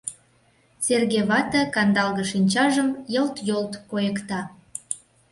Серге вате кандалге шинчажым йылт-йолт койыкта.